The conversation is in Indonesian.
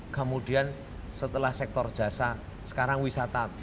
kemudian setelah sektor jasa sekarang wisata